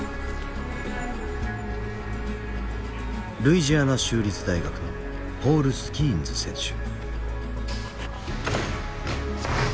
ルイジアナ州立大学のポール・スキーンズ選手。